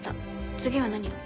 次は何を？